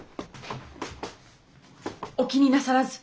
お気になさらず。